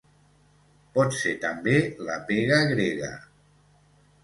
Pot ser també la pega grega.